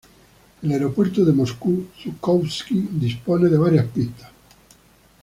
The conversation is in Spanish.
El aeropuerto de Moscú-Zhukovski dispone de varias pistas.